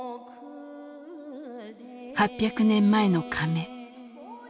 ８００年前のかめ。